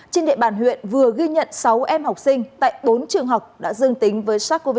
trên địa bàn huyện vừa ghi nhận sáu em học sinh tại bốn trường học đã dương tính với sars cov hai